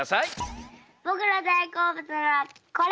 ぼくのだいこうぶつはこれ！